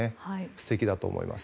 素敵だと思います。